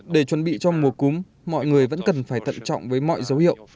để chuẩn bị cho mùa cúm mọi người vẫn cần phải tận trọng với mọi dấu hiệu